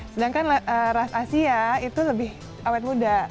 sedangkan ras asia itu lebih awet muda